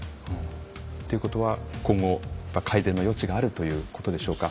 ということは改善の余地があるということでしょうか。